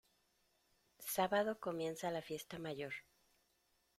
Sábado comienza la Fiesta Mayor.